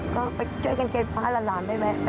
ก็ไปช่วยกันเก็บพาละหลานไปแบบนั้น